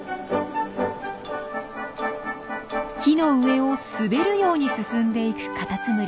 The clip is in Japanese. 木の上を滑るように進んでいくカタツムリ。